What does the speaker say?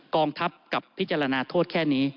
กองทัพกับพิจารณาโทษแค่นี้